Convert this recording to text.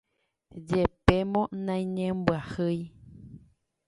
jepémo naiñembyahýi